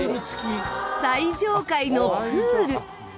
最上階のプール。